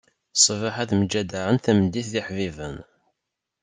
Ṣṣbeḥ ad mjeddaɛen, tameddit d iḥbiben.